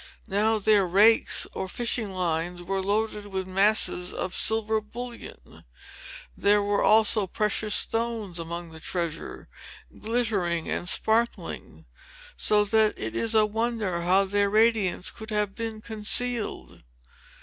Now their rakes or fishing lines were loaded with masses of silver bullion. There were also precious stones among the treasure, glittering and sparkling, so that it is a wonder how their radiance could have been concealed.